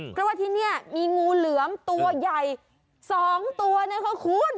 เพราะว่าที่นี่มีงูเหลือมตัวใหญ่๒ตัวนะคะคุณ